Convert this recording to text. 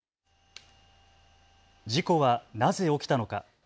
事故はなぜ起きたのか。